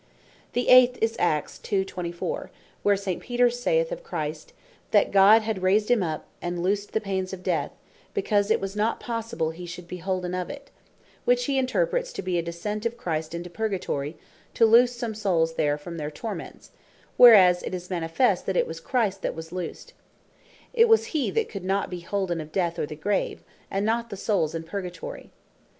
The Eight is Acts 2. 24. where St. Peter saith of Christ, "that God had raised him up, and loosed the Paines of Death, because it was not possible he should be holden of it;" Which hee interprets to bee a descent of Christ into Purgatory, to loose some Soules there from their torments; whereas it is manifest, that it was Christ that was loosed; it was hee that could not bee holden of Death, or the Grave; and not the Souls in Purgatory.